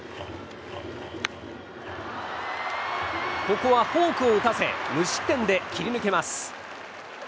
ここはフォークを打たせ無失点で切り抜けます。